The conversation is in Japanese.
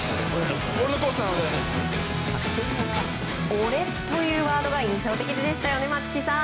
俺というワードが印象的でしたね、松木さん。